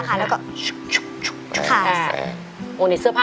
ขาหนูหนีบไว้